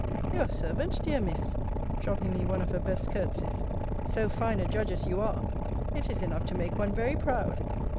Your servant, dear Miss; dropping me one of her best courtesies: so fine a judge as you are! It is enough to make one very proud.